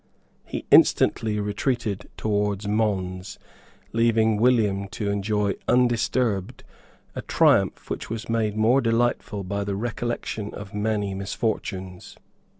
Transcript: He instantly retreated towards Mons, leaving William to enjoy undisturbed a triumph which was made more delightful by the recollection of many misfortunes.